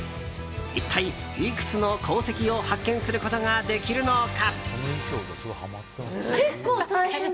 一体いくつの鉱石を発見することができるのか。